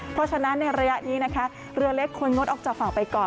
เพราะฉะนั้นในระยะนี้นะคะเรือเล็กควรงดออกจากฝั่งไปก่อน